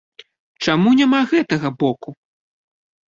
Чаму няма гэтага боку?